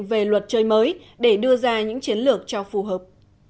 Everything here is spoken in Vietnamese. về luật chơi mới để đưa ra những chiến lược cho phù hợp